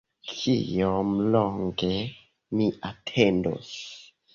Kiom longe mi atendos?